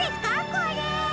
これ。